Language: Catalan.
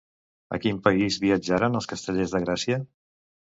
A quin país viatjaran els castellers de Gràcia?